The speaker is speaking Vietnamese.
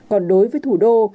còn đối với thủ đô